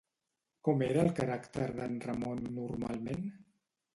Com era el caràcter d'en Ramon normalment?